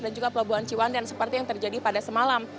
juga pelabuhan ciwandan seperti yang terjadi pada semalam